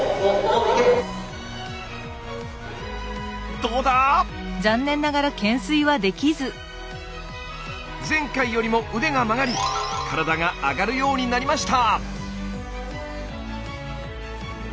どうだ⁉前回よりも腕が曲がり体が上がるようになりました！